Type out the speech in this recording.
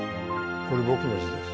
これ僕の字です。